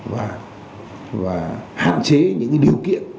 và hạn chế những điều kiện